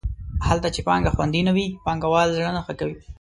هلته چې پانګه خوندي نه وي پانګوال زړه نه ښه کوي.